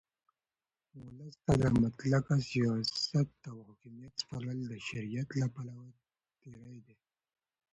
اولس ته د مطلقه سیاست او حاکمیت سپارل د شریعت له پلوه تېرى دئ.